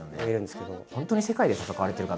本当に世界で戦われてる方ですからね。